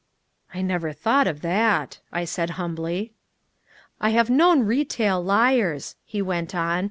"I never thought of that," I said humbly. "I have known retail liars," he went on.